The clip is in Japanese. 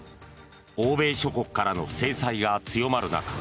欧米諸国からの制裁が強まる中